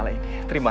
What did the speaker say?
aku akan mencoba